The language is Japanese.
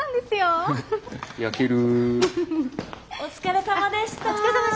あっお疲れさまでした。